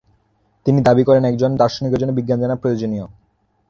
তিনি দাবী করেন একজন দার্শনিকের জন্য বিজ্ঞান জানা প্রয়োজনীয়।